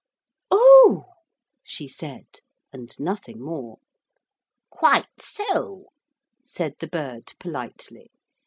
'Oh!' she said, and nothing more. 'Quite so,' said the bird politely.